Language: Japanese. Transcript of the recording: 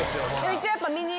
一応やっぱ。